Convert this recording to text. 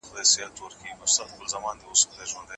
ځینې وخت ځانګړې درمل کارول کېږي.